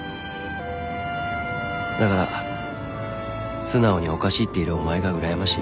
だから素直に「おかしい」って言えるお前がうらやましい。